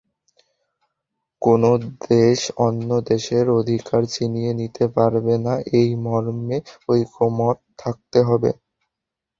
কোনো দেশ অন্য দেশের অধিকার ছিনিয়ে নিতে পারবে না—এই মর্মে ঐকমত্য থাকতে হবে।